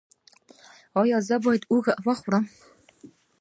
ایا زه باید هوږه وخورم؟